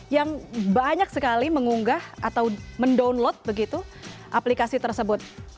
yang banyak sekali mengunggah atau mendownload begitu aplikasi tersebut